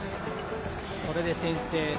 これで先制。